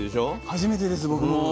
初めてです僕も。